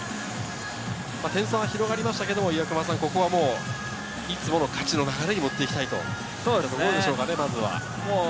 点差は広がりましたけれど、いつもの勝ちの流れに持っていきたいというところでしょうかね。